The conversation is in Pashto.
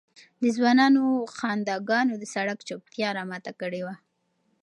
د ځوانانو خنداګانو د سړک چوپتیا را ماته کړې وه.